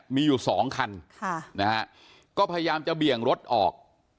มีอยู่๒คันนะฮะก็พยายามจะเบี่ยงรถออก